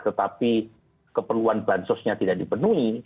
tetapi keperluan bansosnya tidak dipenuhi